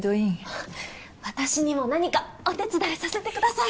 あっ私にも何かお手伝いさせてください。